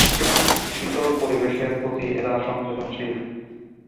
শীতল পরিবেশের প্রতি এরা সংবেদনশীল।